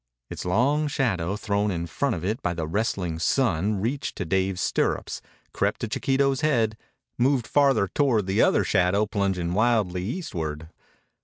Its long shadow thrown in front of it by the westering sun, reached to Dave's stirrups, crept to Chiquito's head, moved farther toward the other shadow plunging wildly eastward.